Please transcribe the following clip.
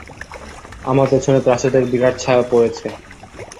আমার পেছনে প্রাসাদের বিরাট ছায়া পড়েছে।